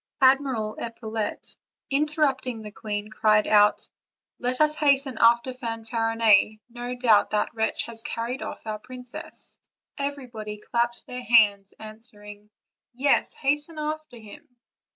Admiral Epaulette, interrupting the queen, cried out: "Let us hasten after Fanfarinet; no doubt that wretch has carried off our princess." Everybody clapped their hands, answering: ''Yes, hasten after him."